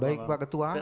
baik pak ketua